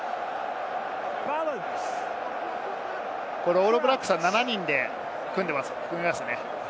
オールブラックスは７人で組んでいますね。